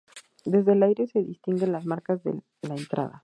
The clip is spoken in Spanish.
Desde el aire se distinguen las marcas de la entrada.